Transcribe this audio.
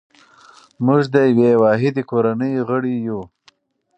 موږ د یوې واحدې کورنۍ غړي یو.